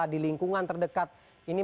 di lingkungan terdekat ini